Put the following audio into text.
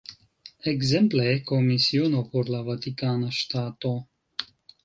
Ekzemple, Komisiono por la Vatikana Ŝtato.